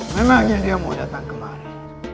neneknya dia mau datang kemari